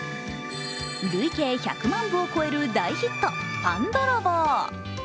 累計１００万部を超える大ヒット「パンどろぼう」。